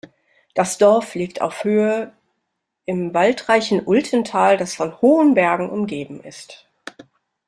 Das Dorf liegt auf Höhe im waldreichen Ultental, das von hohen Bergen umgeben ist.